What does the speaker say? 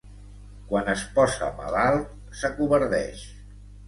Quan es posa malalt s'acovardeix.